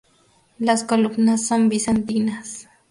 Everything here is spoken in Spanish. Las columnas son bizantinas.